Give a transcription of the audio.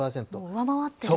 上回ってる。